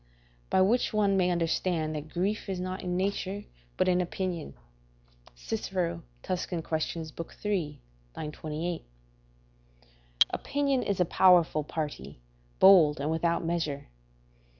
["By which one may understand that grief is not in nature, but in opinion." Cicero, Tusc. Quaes., iii. 28.] Opinion is a powerful party, bold, and without measure.